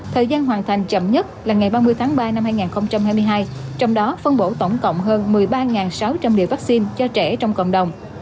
thời gian hoàn thành chậm nhất là ngày ba mươi tháng ba năm hai nghìn hai mươi hai trong đó phân bổ tổng cộng hơn một mươi ba sáu trăm linh liều vaccine cho trẻ trong cộng đồng